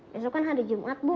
besok kan hari jumat bu